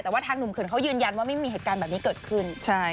แต่ว่าทางหนุ่มเขินเขายืนยันว่าไม่มีเหตุการณ์แบบนี้เกิดขึ้น